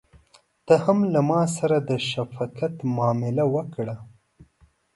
ته هم له ماسره د شفقت معامله وکړه.